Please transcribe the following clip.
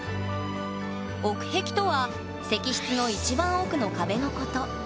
奥壁とは石室の一番奥の壁のこと。